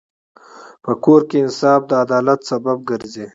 په کور کې انصاف د عدالت سبب ګرځي.